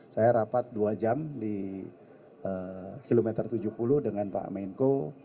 saya rapat dua jam di kilometer tujuh puluh dengan pak menko